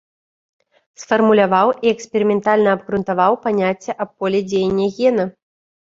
Сфармуляваў і эксперыментальна абгрунтаваў паняцце аб поле дзеяння гена.